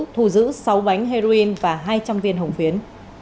thu giữ sáu bánh heroin và hai trăm linh viên hồng phiến